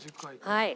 はい。